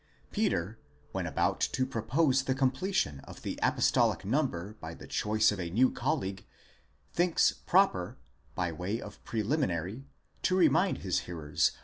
Peter, when about to propose the completion of the apostolic number by the choice of a new colleague, thinks proper, by way of preliminary to remind his hearers